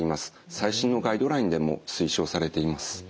最新のガイドラインでも推奨されています。